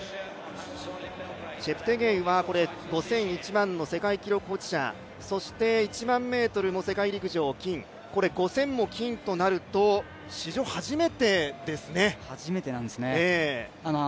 チェプテゲイは５０００、１００００の世界記録保持者そして１００００ｍも世界陸上金、５０００も金となると、史上初めてですね。